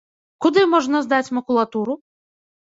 Куды можна здаць макулатуру?